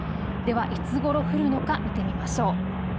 ではいつごろ降るのか見てみましょう。